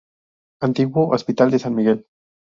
Antiguo Hospital de San Miguel.